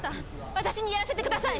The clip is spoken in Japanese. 私にやらせてください。